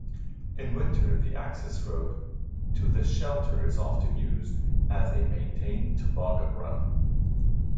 In winter the access road to the shelter is often used as a maintained toboggan run.